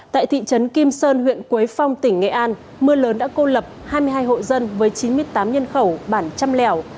tại thị trấn kim sơn huyện quế phong tỉnh nghệ an mưa lớn đã cô lập hai mươi hai hộ dân với chín mươi tám nhân khẩu bản trăm lẻo